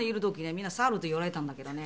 みんなに「猿」って言われたんだけどね。